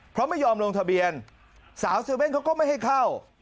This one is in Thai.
เพราะไม่ยอมลงทะเบียนสาว๗๑๑เขาก็ไม่ให้เข้า